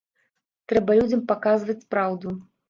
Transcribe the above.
Трэба людзям паказваць праўду.